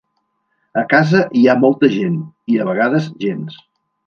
A casa hi ha molta gent, i a vegades, gens.